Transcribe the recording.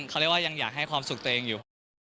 เขาเรียกว่ายังอยากให้ความสุขตัวเองอยู่